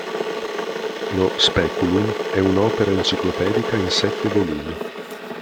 Lo "Speculum" è un'opera enciclopedica in sette volumi.